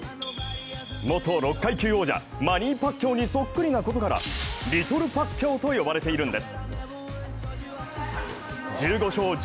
６階級王者マニー・パッキャオにそっくりなことからリトル・パッキャオと呼ばれているんです